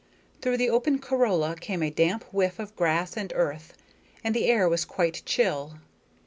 Through the open corolla came a damp whiff of grass and earth, and the air was quite chill.